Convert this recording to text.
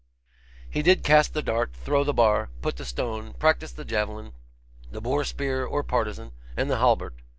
He did cast the dart, throw the bar, put the stone, practise the javelin, the boar spear or partisan, and the halbert.